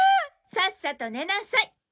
さっさと寝なさい！